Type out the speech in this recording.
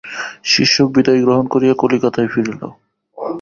শিষ্যও বিদায় গ্রহণ করিয়া কলিকাতায় ফিরিল।